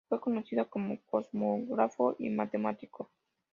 Fue conocido como cosmógrafo y matemático.